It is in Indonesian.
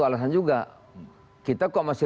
alasan juga kita kok masih